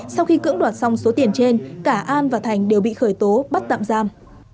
sau khi cưỡng đoạt xong số tiền trên cả an và thành đều bị khởi tố bắt tạm giam